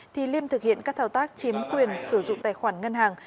thì liêm thực hiện các thao tác chiếm quyền sử dụng tài khoản ngân hàng